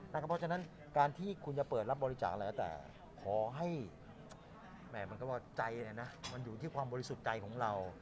เพราะฉะนั้นการที่คุณจะเปิดรับบริจาคอะไรแล้วแต่ขอให้มันก็ว่าใจมันอยู่ที่ความบริสุทธิ์ใจของเรา